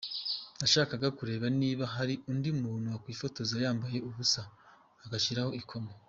Nashakaga kureba niba hari undi muntu wakwifotoza yambaye ubusa, agashyiraho ikoma.